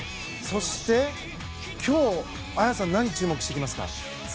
そして今日、綾さん何に注目していきますか？